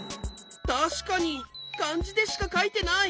たしかにかんじでしかかいてない。